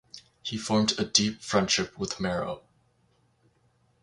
He formed a deep friendship with Marrow.